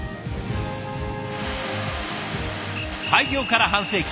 開業から半世紀。